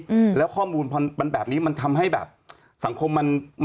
รถเมย์ก็ต้องบอกแล้วออกมาบอกว่า